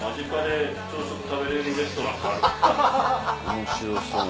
面白そうな。